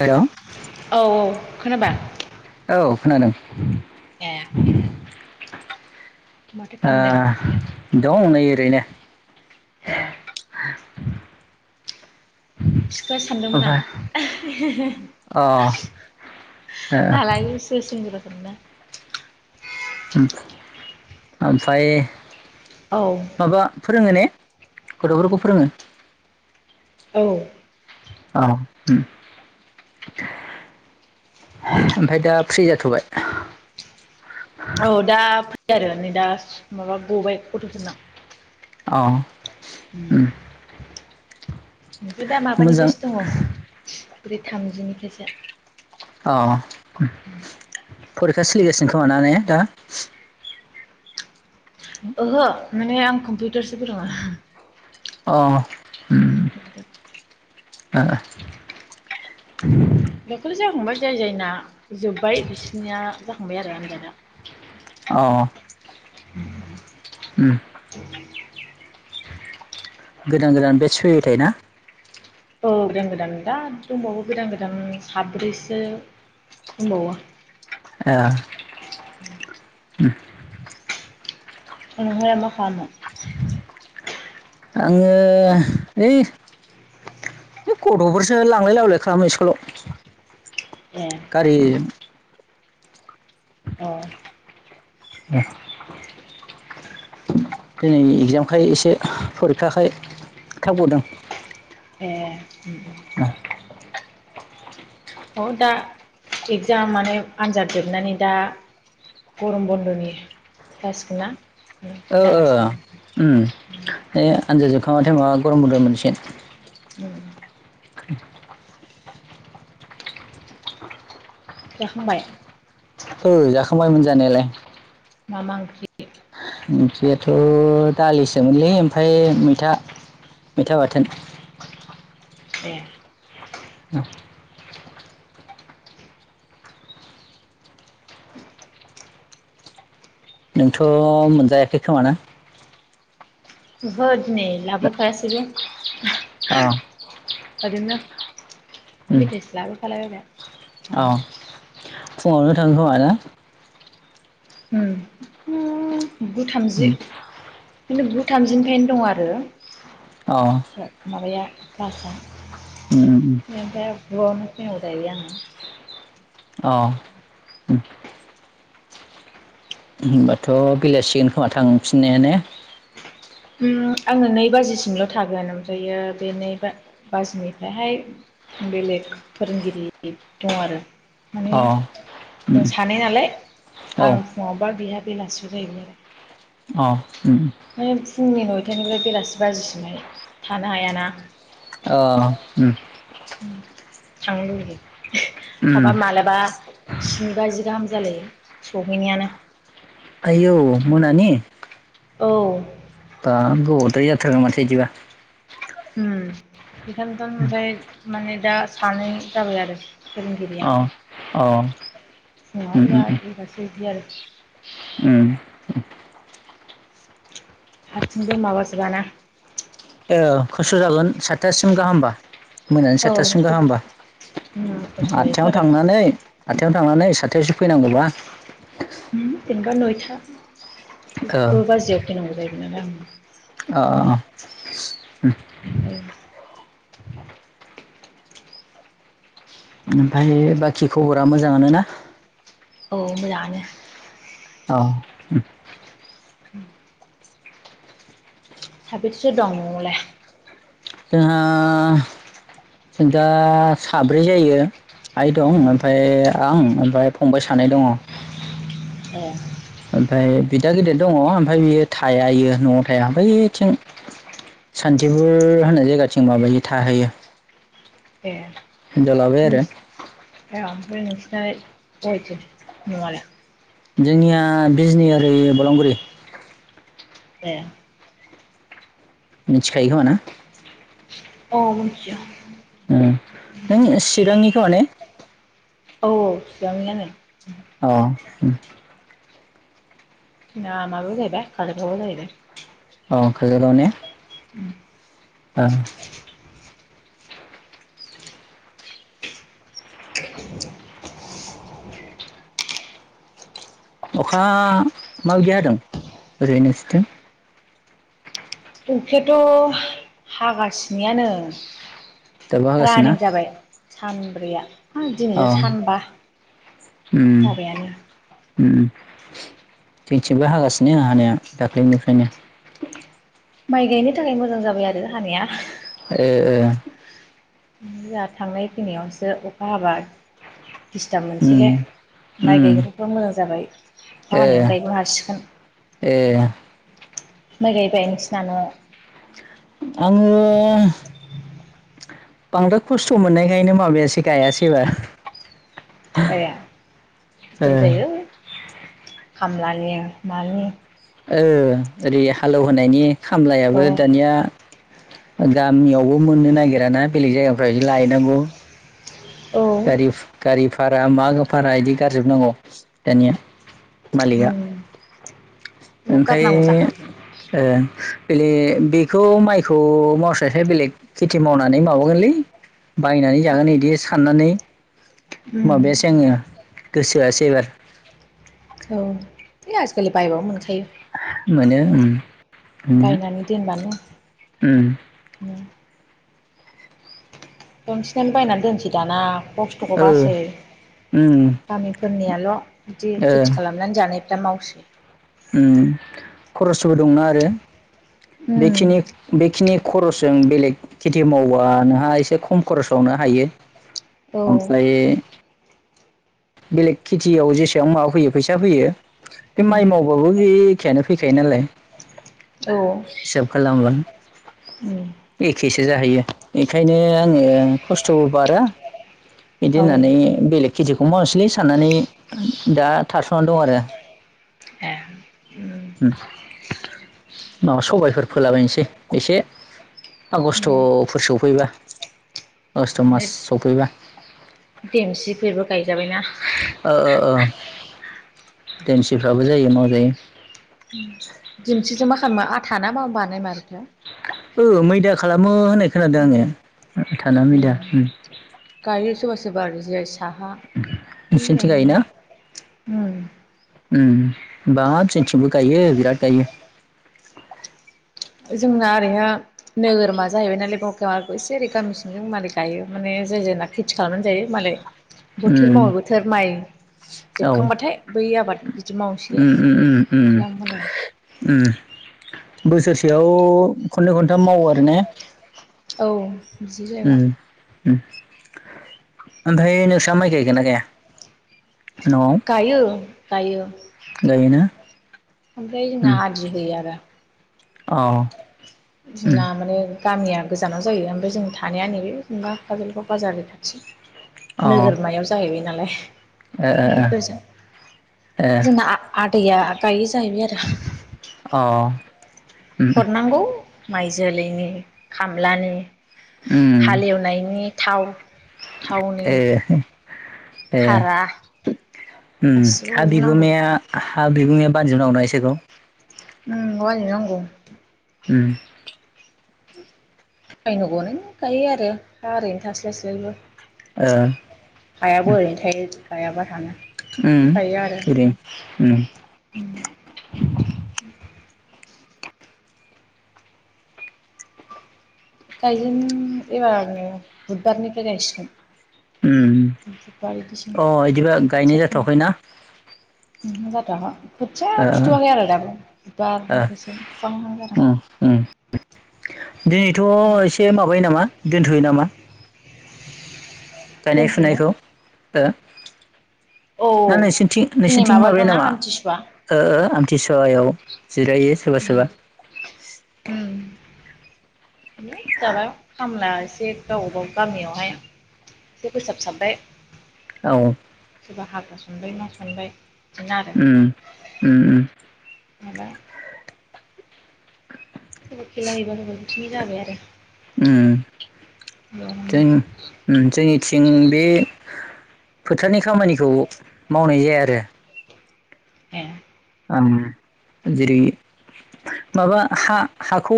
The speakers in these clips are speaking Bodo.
हेलौ औ औ। खोनाबा? औ खोनादों। ए माथो आ खालामदों दं नै ओरैनो ए। सिखाया सानदोंमोन आं ओमफ्राय अ हालाय सोर सिंगुर [unintelligible] ओमफ्राय औ माबा फोरोङो ने? गथ'फोरखौ फोरोङो। औ। औ ओमफफ्राय दा फ्रि जाथ'बाय? औ दा फै आरो नै दा माबा गबाय गथ'फोरना अ। ओमफ्राय दा मोजां माबानिफ्रायसो दङ। ब्रै थामजिनिफ्रायसो अ फरिखा सोलिगासिनो खोमा ना ने? दा ओहो। माने आं कम्पिउटारसो फोरोङो। अ [inaudible] ओ ओ। दख'लि जाखांबाय जाय जायना जोब्बाय बिसोरनिया जाहांबाय आरो आनजादा। अ। उ गोदान गोदान बे सुैयो थ ना औ गोदान गोदान दा दंबावो गोदान गोदान साब्रैसो दंबावो ए द अहबा ख न आङो ओइ बे गथ'फोरसो लांलाय लायलाय खालामो स्कुलाव ए खाारि अ दे दिनै एगजामखाय एसे फरिखाखाय थाब बदों ए उम अ दा इक्जाम माने आनजाद जोबनानै दा गरम बन्द'नि जासिगोन ना ओ जागासिनो उम द बे आनजाद जोबखांबाथाय माबा गरम गदोम मोनसेन [unintelligible] जाखांबाय औ जाखांबायमोन जानायालाय मामा ओंख्रि ओंख्रियाथ' दालिसोमोनलै ओमफफ्राय मैथा मैथा बाथोन औ नोंथ' मोनजायाखै खोमाना बद नै लाबखौ आसग अ आदिनो उम मिथस्ला फलाबबाय अ जानो फुङावनो थाङो खोमा ना उम गु उम थामजि बिदिनो गु थामजिनिफ्रायनो दं आरो अ माबाया बिफसा उम उम म द जनो [unintelligible] दायङा [unintelligible] औ होनबाथ' बेलासिगोन खोमा थांफिननायानो आङो नै बाजिसिमल' थागोन ओमफायो बे नै बाजिनिफ्रायहाय बेले। फोरोंगिरि दं आरो माने अ जों उम सानै नालाय औ आं फुङावबा बिहा बेलासि जायोम आरो अ उ माने फुंनि नयथायानिफ्राय बेलासि बाजिसिमहाय थानो हायाना अ सांलि उम थाबा मालाबा स्नि बाजि गाहाम जालायो सहैनायानो आयौ मोनानि औ दा गदारि जाथखौ मसिजबा [unintelligible] हम बेखायनोथ' ओमफ्राय माने दा सानै जाबाय आरो फोरोंगिरिया औ औ उम सिव उम एबासो बिदि आरो उम हारसिंबो माबाजोबाना दासिम गाहामबा मोनानि औ साथथासिम गाह होमबा खस्थ' आदथायाव जाहैथारो थांनानै आथायावनो थांनानै साथायावसो फैनांगौबा जेनबा नयथा ओ कबा बामियान नांगौ जायो बिदि द अ [unintelligible] ओमफफ्राय बाखि खबरा मोजांङानो ना औ मोजाङानो औ उम साबैसेसो दं न'लाय जोंहा दा साब्रै जायो आइ दं ओमफ्राय आं ओमफ्राय फंबाय सानै दङ औ ओमफफ्राय बिदा गिदिर दङ ओमफफ्राय बियो थायाायो न'आव थाया ओमफ्रायथिं सान्थिफुर होननाय जायगाथिं माबायो थाहैयो ए हिनजाव लाबाय आरो [unintelligible] जोंनिया बिजनि ओरि बलांगुरि दे मिथिखायो खोमाना औ मिया नों चिरांनिखौ ने औ औ चबांनियानो औ ना आ माबा जायबाय खालिखौाबो जाहायबाय। औ खाजोल गाव ने औ अखा माबि गिया जादों ओरैनोसथिं उखायाथ' हागासिनोयानो। दाबो हागासिनो ना रानिं जाबाय सानब्रैया ह अ दिनजों सानबा जाबायानो थोंथिबो हागासिनो आं हानाया दाख्लैनिफ्रायनो। माइ गायनो थाखाय मोजां जाबाय आरो हानाया ‌। एओ ओ फ्राय जोंहा थांनाय फैनायावसो अखा हाबा दिस्टार्ब मोनसैले उम माइ उम गायग्राफ्रा मोजां जाबाय ए बानायावनो गायनो हासिगोन। ए माइ गायबाय [unintelligible] आङो बांद्राय खस्थ' मोननायखायनो माबायासै गायासै एबार ए ओ [unintelligible] खामलानि मानि ओ ओरै हालेवहोनायनि औ खामलायाबो दानिया गामियावबो मोननो नागिराना बेलेग जायगाफ्राव इदि लायनांगौ। औ गारिफ गारिफ भारा मा भारा बिदि गारजोबनांगौ दानिया। मालिगा उम [unintelligible] बेखौ ओमफ्राय गारनांगौ ओ जाखायो बेले बेखौ माइखौ मावस्रायसाय बेलेग खेथि मावनानै माबागोनलै बायनानै जागोन इदि फाननानै उम माबायासै आङो गोसो होआसै एबार बे आजिखालि बायबाबो मोनखायो। मोनो उम बायनानै दोनबानो उम दंसिनानो बायनानै दोनसै दाना। खस्थ'खौ ओ बासो उम गामिफोरनियाल' बिदि ओ खेथि खालामनानै जानाय। दा मावसै उम खरसबो दंना आरो बे उम बेखिनि बेखिनि खरस जों बेलेग खेथि मावबा नोंहा एसे खम खरसावनो हायो औ ओमफ्राय बेलेग खेथियाव जेसां माबा फैयो फैसा फैयो बे उम माइ मावबाबो बे खे यानो फैखायो नालाय औ हिसाब खालामोबा उम खेसो जाहैयो इखायनो आङो खस्थ'बो बारा इदि औ होननानै बेलेग खिदु मोसलै साननानै दा थारथ'ना दं आरो ए उम माबा सबायफोर फोलाबायनसै एसे उम आगस्टफोर सफैबा आगस्ट' मास सफैबा देमसिफोरबो गायजाबायना ओ-ओ-ओ देन्सिफ्राबो जायो मावजायो दिमसिजो मा खामा आथाना मा बानाय मारोथाय ओ मैदा खालामो होनाय खोनादो आङो बिदा आथाना मैदा उम रबा आरो [unintelligible] साहा नोंसिनिथिं गायोना [unintelligible] उम उम बाब जोंनथिंबो गायो बिराद गायो जोंना ओरैहा नोगोरमा जाहैबाय नालाय बकाग एसे ओरै गामि सिंजों मालाय गायो माने जाय ना खेथि खालामनानै जायो मालाय बोथोर उम मावो बोथोर माइ औ जोबखांबाथाय बै आबाद बिदि माव एसे उम उम उम उम खालामो आरो उम बोसोरसेयाव खननै खनथाम मावो आरो ने औ बिसि उम जायबा उम ओमफाय नोंसा माइ गायगोन ना गाया न'आव गायो गायो गायोना ओमफ्राय उम जोंना आदि होयो आरो अ उम बिना माने गामिया गोजानाव जायो ओमफाय जों थानाया नैबे जेनेबा काजलगाव बाजारनि खाथि अ नोगोरमायाव जाहैबाय जालाय ए ए [unintelligible] जोंना आ-आदैया गायो जाहैबाय [unintelligible] अ उम हरनांगौ माइ जोलैनि खामलानि उम हालेवनायनि थाव थावनि ए ए भारा उम गासिबो हा हरजोबनांगौ बिगोमाया हा बिगुमाया बानजोबनांगौना इसोरखौ उम बानजोबनांगौ उम बायनो गनायनि गायो आरो हा ओरैनो थास्लाय स्लायबो ओ हायाबो ओरैनो थायो गायाबा रानो उम ओरैनो उम गायजेन एबारनो बुधबारनिफ्राय गायसिगोन उम बुधबार अ बिदिसिमबो इदिबा गायनाय जाथ'वाखैना उमहो जाथ'याखै खोथिया ओ फुथुवाखै आरो दाबो ओ बुधबारनिफ्रायसो फुहांहां जादों उम ओ एसे माबायो नामा दोनथ'यो नामा गायनाय दोनथ'नो फुनायखौ औ औ ना नोंसोरनिथिं दिनै नोंसोरनिथिं माबा माबायो दंना नामा आमथिसुवा ओ आमथिसुवाआव जिरायो सोरबा सोरबा उम जाबाय खामला एसे गाव गाव गामियावहाय एसे फोसाबसाबबाय औ सोरबा हाग्रा सनबाय मा सनबाय बिदिनो आरो उम उम उम माबा सोरबा खेला हैबा होबाय बिदिनो जाबाय आरो उम बेयावनो जों उम जोंनिथिं बे फोथारनि खामानिखौ मावनाय जाया आरो ए उम जेरै माबा हा हाखौ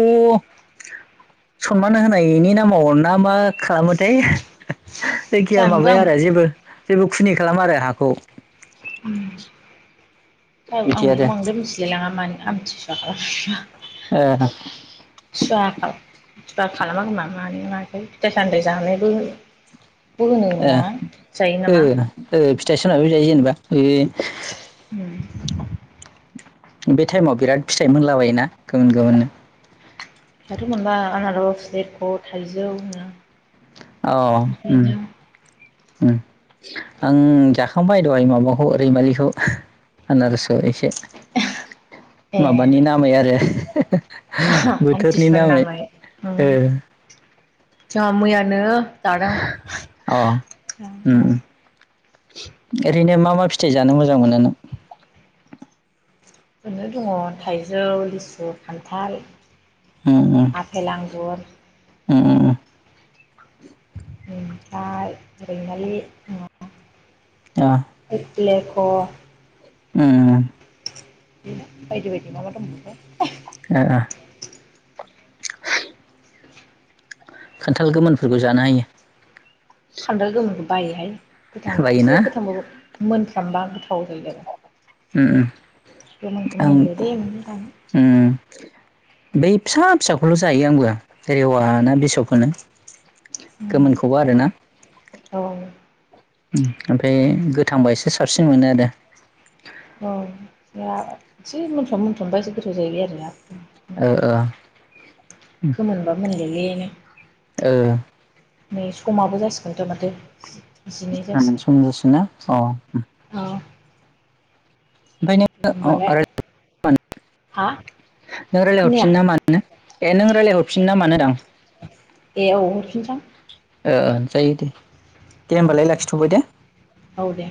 सनमान होनायनि नामाव ना मा खालामोथाय जायखिया जानोबो आं माबाया आरो जेबो जेबो खुनि खालामा आरो हाखौ औ बिदि आंबो आरो बांद्राय मिथिलाय लाङा मानो आमथि [unintelligible] ए [unintelligible] फिथाइ सामथाइ जानायबो फगनो नामा जायोनामा स्टाइसनाबो जायो जेनेबा बे उ बे टाइमाव बिराद फिथाइ मोनलाबायोना गुबुन गुबुननो लेतख' थाइजौ नौ अ उम उम आं जाखांबाय दहाइ माबाखौ रैमालिखौ आनारसखौ एसे ए माबानि नामै आरो बोथोरनि आमथिसुवानि नामै उम ओ जोंहा मैयानो अ उम उम [unintelligible] ओरैनो मा मा फिथाइ जानो मोजां मोनो नों नो दङ थाइजौ लिसु खान्थाल आफेल आंगुर ओम ओम ओम ओमफाय रैमालि [unintelligible] [unintelligible] एप्लेख' उम उम उम बायदि बायदि मा मा दंमोन्थाय ओ ओ खान्थाल गोमोनफोरखौ जानो हायो खान्थाल गोमोन बायोहाय गोथां बायोना एसे गोथांबाबो मोन जाम्बा गोथाव जायो आरो उम गोमोनखौ उम ओं मिलौ दे मोनो जानो उम बै फिसा फिसाखौल' जायो आंबो रेवा ना बिसख होनो गोमोनखौबो आरोना औ उम ओमफाय गोथांबा एसे साबसिन मोनो आरो औ जोंहा एसे मोनफ्रोम मोनफ्रोमबासो एसे गोथाव जाहैबाय आरोना ओ ओ गोमोन बा मोनले-ले नो ओ नै समाबो जासिगोनथ' माथो जिनै ओं जासिगोन सम जासिगोनना अ औ होनबालाय हा खोनाया [unintelligible] नोंथां ओ ओ जायो दे दे औ होमबालाय लाखिथ'बाय दे औ दे